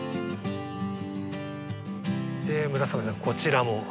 こちらも。